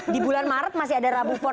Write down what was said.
di bulan maret masih ada rabu pon